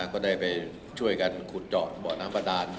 ก็ได้ไปช่วยกันขุดเจาะเบาะน้ำประดาน